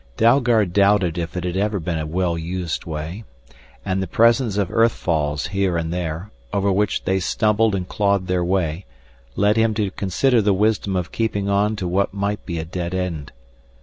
Dalgard doubted if it had ever been a well used way. And the presence of earth falls here and there, over which they stumbled and clawed their way, led him to consider the wisdom of keeping on to what might be a dead end.